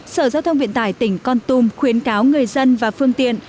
sở giao thông vận tải tỉnh con tum khuyến cáo người dân và phương tiện